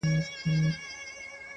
گرا ني خبري سوې پرې نه پوهېږم.